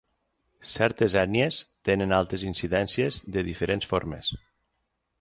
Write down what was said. Certes ètnies tenen altes incidències de diferents formes.